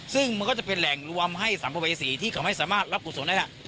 ซึ่งมันก็จะเป็นแหล่งรวมให้สัมภเวษีที่เขาไม่สามารถรับกุศลได้ล่ะ